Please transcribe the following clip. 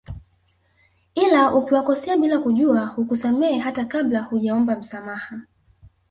Ila ukiwakosea bila kujua hukusamehe hata kabla hujaomba msamaha